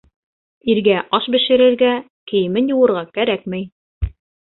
Иргә аш бешерергә, кейемен йыуырға кәрәкмәй.